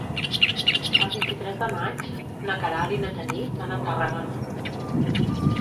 El vint-i-tres de maig na Queralt i na Tanit van a Tàrrega.